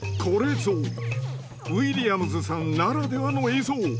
これぞウィリアムズさんならではの映像。